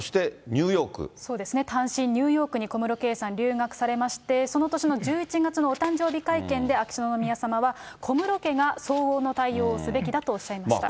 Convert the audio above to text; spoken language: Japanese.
そうですね、単身ニューヨークに小室圭さん、留学されまして、その年の１１月のお誕生日会見で秋篠宮さまは、小室家が相応の対応をすべきだとおっしゃいました。